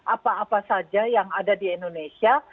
apa apa saja yang ada di indonesia